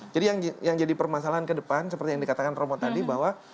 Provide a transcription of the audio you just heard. jadi yang jadi permasalahan ke depan seperti yang dikatakan romo tadi bahwa